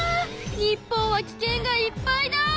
日本はき険がいっぱいだ！